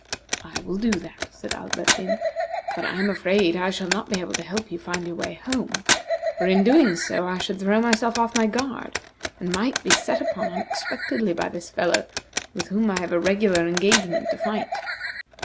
"I will do that," said Alberdin; "but I am afraid I shall not be able to help you find your way home, for in doing so I should throw myself off my guard, and might be set upon unexpectedly by this fellow, with whom I have a regular engagement to fight.